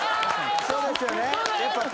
そうですよね・